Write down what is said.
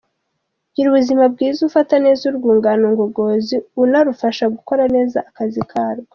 Gira ubuzima bwiza ufata neza urwungano ngogozi unarufasha gukora neza akazi karwo.